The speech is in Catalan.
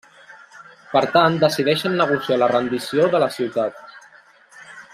Per tant decideixen negociar la rendició de la ciutat.